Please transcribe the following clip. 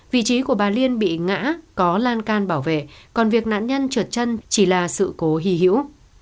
vị trí của bà liên bị ngã có lan can bảo vệ còn việc nạn nhân trượt chân chỉ là sự cố hì hữu